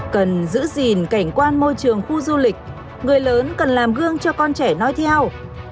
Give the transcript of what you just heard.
cần giữ gìn cảnh quan môi trường khu du lịch người lớn cần làm gương cho con trẻ nói theo